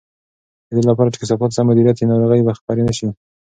د دې لپاره چې کثافات سم مدیریت شي، ناروغۍ به خپرې نه شي.